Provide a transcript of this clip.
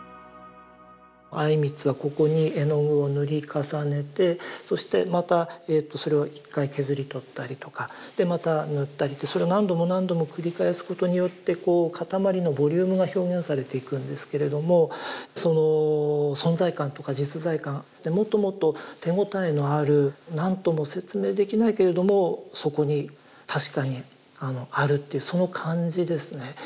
靉光はここに絵の具を塗り重ねてそしてまたそれを一回削り取ったりとかでまた塗ったりってそれを何度も何度も繰り返すことによって塊のボリュームが表現されていくんですけれどもその存在感とか実在感でもともと手応えのある何とも説明できないけれどもそこに確かにあるっていうその感じですね。